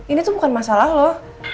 ini tuh bukan masalah loh